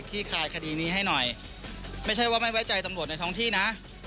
คลายคดีนี้ให้หน่อยไม่ใช่ว่าไม่ไว้ใจตำรวจในท้องที่นะ